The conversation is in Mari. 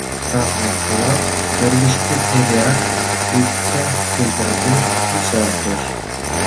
Садлан полат кӧргыштӧ эреак икгай температур кучалтеш.